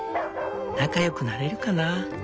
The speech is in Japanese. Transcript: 仲良くなれるかな？